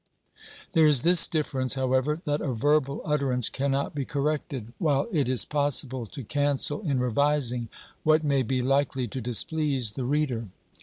There is this difference, however, that a verbal utterance cannot be corrected, while it is possible to cancel in revising what may be likely to displease the reader.